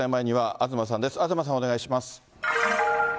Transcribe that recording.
東さん、お願いします。